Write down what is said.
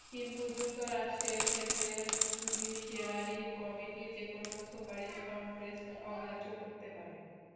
কিন্তু যুক্তরাষ্ট্রের ক্ষেত্রে জুডিশিয়ারি কমিটির যেকোনো সুপারিশ কংগ্রেস অগ্রাহ্য করতে পারে।